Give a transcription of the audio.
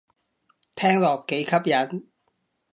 聽落幾吸引